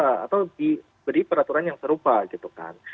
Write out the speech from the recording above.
atau diberi peraturan yang serupa gitu kan